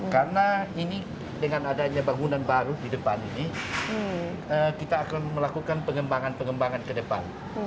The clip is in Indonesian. karena ini dengan adanya bangunan baru di depan ini kita akan melakukan pengembangan pengembangan ke depan